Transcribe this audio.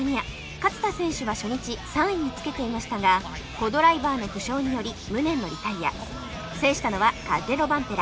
勝田選手は初日３位につけていましたがコ・ドライバーの負傷により無念のリタイア制したのはカッレ・ロバンペラ